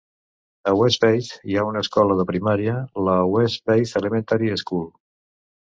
A West Bath hi ha una escola de primària, la West Bath Elementary School.